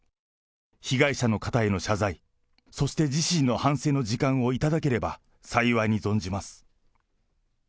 被害者の方への謝罪、そして自身の反省の時間をいただければ幸いに存じます。